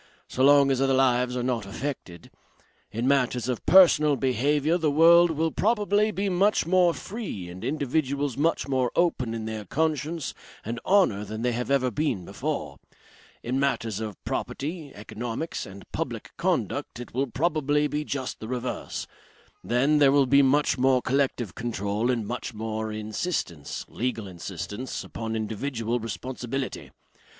So long as other lives are not affected. In matters of personal behaviour the world will probably be much more free and individuals much more open in their conscience and honour than they have ever been before. In matters of property, economics and public conduct it will probably be just the reverse. Then, there will be much more collective control and much more insistence, legal insistence, upon individual responsibility.